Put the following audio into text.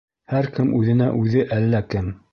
Һәр кем үҙенә үҙе әллә кем.